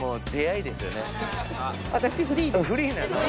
フリーなの？